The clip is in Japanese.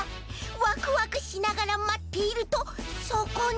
ワクワクしながらまっているとそこに！